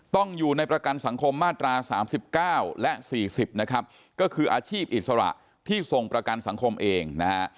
ต้องอยู่ในประกันสังคมมาตรา๓๙และ๔๐นะครับก็คืออาชีพอิสระที่ทรงประกันสังคมเองนะฮะ